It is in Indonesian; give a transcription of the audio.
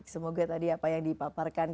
semoga tadi apa yang dipaparkan